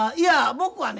僕はね